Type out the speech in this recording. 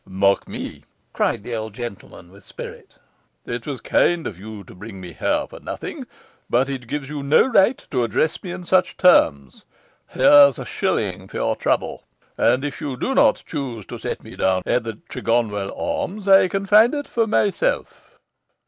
'Mark me,' cried the old gentleman with spirit. 'It was kind in you to bring me here for nothing, but it gives you no right to address me in such terms. Here's a shilling for your trouble; and, if you do not choose to set me down at the "Tregonwell Arms", I can find it for myself.